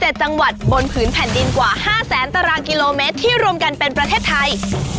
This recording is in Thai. จังหวัดบนผืนแผ่นดินกว่า๕แสนตารางกิโลเมตรที่รวมกันเป็นประเทศไทย